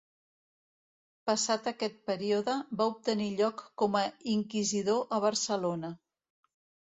Passat aquest període, va obtenir lloc com a inquisidor a Barcelona.